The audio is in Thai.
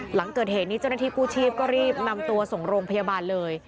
หลังเกิดเหตุนี้เจ้าหน้าที่กู้ชีพก็รีบนำตัวส่งโรงพยาบาลเลย